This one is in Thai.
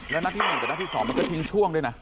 แล้วหน้าที่หนึ่งกับหน้าที่สองมันก็ทิ้งช่วงด้วยนะ